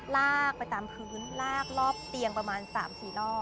ลากไปตามพื้นลากรอบเตียงประมาณ๓๔รอบ